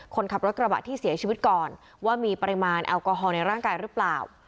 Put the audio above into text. คนขับรถกระบะที่เสียชีวิตก่อนว่ามีปริมาณแอลกอฮอลในร่างกายหรือเปล่า